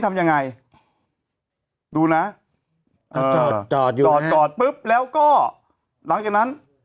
ทำยังไงดูนะอ่าจอดจอดอยู่จอดจอดปุ๊บแล้วก็หลังจากนั้น